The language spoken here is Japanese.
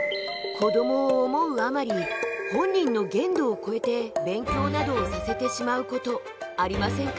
子どもを思うあまり本人の限度を超えて勉強などをさせてしまうことありませんか？